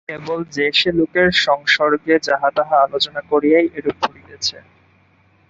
কেবল যে-সে লোকের সংসর্গে যাহা-তাহা আলোচনা করিয়াই এইরূপ ঘটিতেছে।